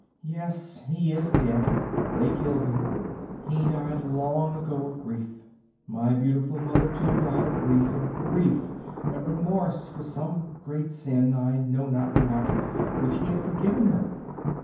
Yes, he is dead they killed him he died long ago of grief. My beautiful mother, too, died of grief of grief and remorse for some great sin, I know not what, which he had forgiven her.